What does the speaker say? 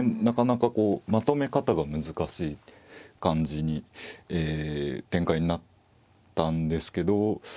なかなかまとめ方が難しい感じに展開になったんですけど。